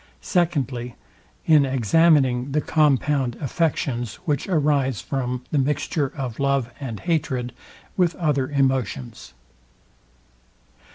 Secondly, In examining the compound affections, which arise from the mixture of love and hatred with other emotions.